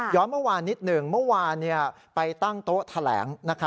เมื่อวานนิดหนึ่งเมื่อวานไปตั้งโต๊ะแถลง